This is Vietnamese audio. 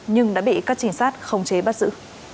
nhưng đã bị các trinh sát khống chế bắt giữ